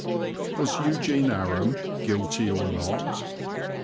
Was Eugene Aram guilty or not?